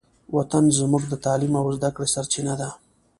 وطن زموږ د تعلیم او زدهکړې سرچینه ده.